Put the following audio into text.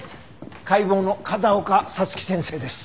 解剖の風丘早月先生です。